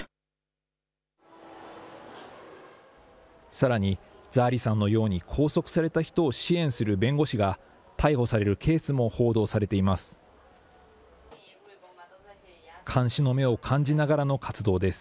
さらに、ザー・リさんのように拘束された人を支援する弁護士が逮捕されるケースも報道されています。